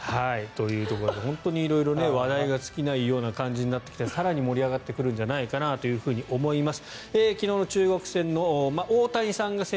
本当に色々話題が尽きない感じになってきて更に盛り上がってくるんじゃないかなと思います。